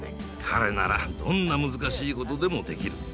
彼ならどんな難しいことでもできる。